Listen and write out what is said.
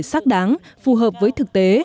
xác đáng phù hợp với thực tế